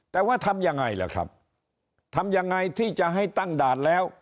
แต่ว่าทำยังไงล่ะครับทำยังไงที่จะให้ตั้งด่านแล้ว